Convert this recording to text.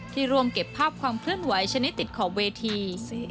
ร่วมเก็บภาพความเคลื่อนไหวชนิดติดขอบเวที